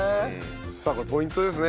さあこれポイントですね。